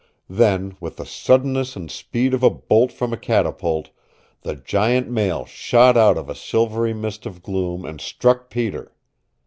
Then, with the suddenness and speed of a bolt from a catapult, the giant male shot out of a silvery mist of gloom and struck Peter.